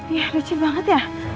iya licin banget ya